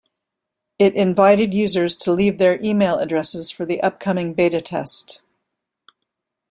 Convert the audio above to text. It invited users to leave their email addresses for the upcoming beta test.